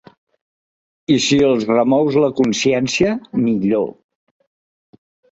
I si els remous la consciència, millor.